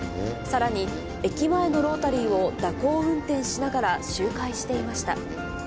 さらに、駅前のロータリーを蛇行運転しながら周回していました。